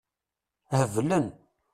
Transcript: Heblen.